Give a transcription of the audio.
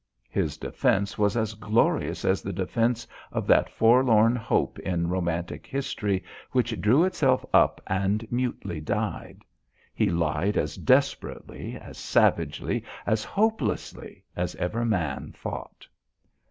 His defence was as glorious as the defence of that forlorn hope in romantic history, which drew itself up and mutely died. He lied as desperately, as savagely, as hopelessly as ever man fought.